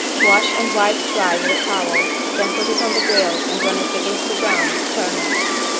Wash and wipe dry with a towel, then put it on the grill and when it begins to brown turn it.